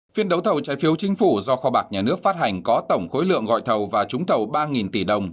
phiên đấu thầu trái phiếu chính phủ do kho bạc nhà nước phát hành có tổng khối lượng gọi thầu và trúng thầu ba tỷ đồng